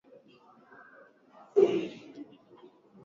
ufyonzwaji wa vihisishi vifuatavyo dopamine